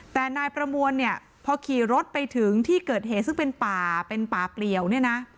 แต่นายประมวลเนี่ยพอขี่รถไปถึงที่เกิดเหตุซึ่งเป็นป่าเป็นป่าเปลี่ยวเนี่ยนะ